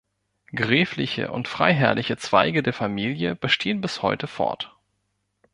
Gräfliche und freiherrliche Zweige der Familie bestehen bis heute fort.